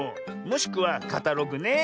もしくは「カタログ」ね。